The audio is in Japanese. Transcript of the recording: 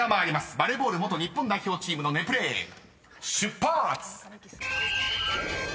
バレーボール元日本代表チームのネプレール出発！］